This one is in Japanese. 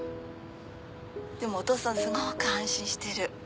でもお父さんすごく安心してる。